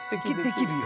できるよ？